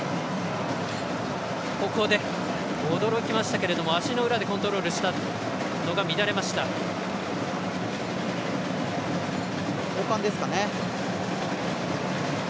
ここで驚きましたけども足の裏でコントロールしたのが交換ですかね。